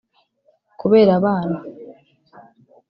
kubera abana